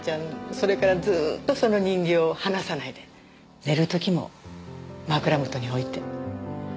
それからずっとその人形を離さないで寝る時も枕元に置いて。